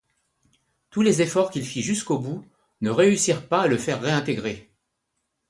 Tous les efforts qu’il fit jusqu’au bout ne réussirent pas à le faire réintégrer.